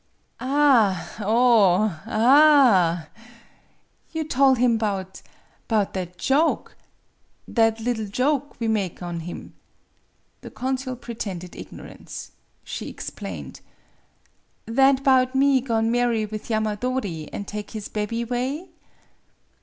" Ah oh ah! You tole him 'bout 'bout that joke that liddle joke we make on him ?" The consul pretended ignorance. She explained: " That 'bout me go'n' marry with Yama dori, an' take his bebby 'way